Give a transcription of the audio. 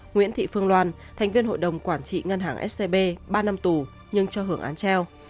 nguyễn thị phương loan thành viên hội đồng quản trị ngân hàng scb ba năm tù nhưng cho hưởng án treo